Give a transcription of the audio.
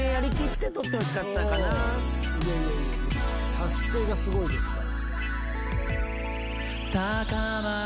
達成がすごいですから。